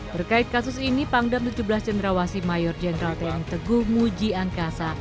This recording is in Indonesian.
berkait kasus ini pangdam tujuh belas jenderal wasi mayor jenderal tenggungu ji angkasa